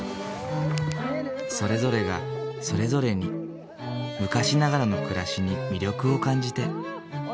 それぞれがそれぞれに昔ながらの暮らしに魅力を感じて。